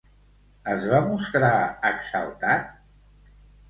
Es va mostrar exaltat?